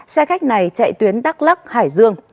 xe khách này chạy tuyến đắk lắc hải dương